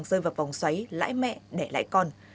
họ dễ dàng rơi vào vòng xoáy lãi mẹ đẻ lãi con